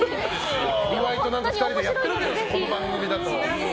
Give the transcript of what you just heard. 岩井と２人でやってるけどこの番組だと。